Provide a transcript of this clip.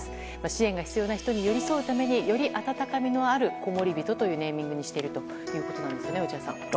支援が必要な人に寄り添うためより温かみのあるこもりびとというネーミングにしているということですが落合さん。